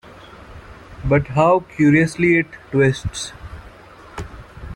But how curiously it twists!